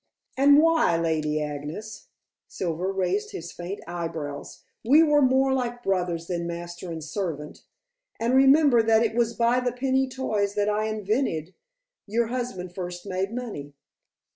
"And why, Lady Agnes?" Silver raised his faint eyebrows. "We were more like brothers than master and servant. And remember that it was by the penny toys that I invented your husband first made money."